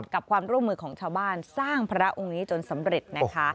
กับความร่วมมือของชาวบ้านสร้างพระองค์นี้จนสำเร็จนะคะ